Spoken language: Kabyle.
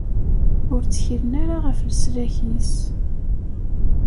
Ur ttkilen ara ɣef leslak-is.